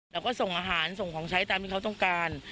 แล้วก็ส่งอาหารส่งของใช้ตามที่เขาต้องการ